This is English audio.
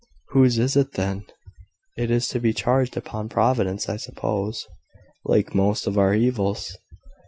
"Whose is it then? It is to be charged upon Providence, I suppose, like most of our evils."